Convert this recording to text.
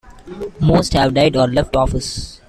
Most have died or left office.